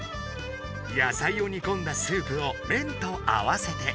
やさいをにこんだスープをめんと合わせて。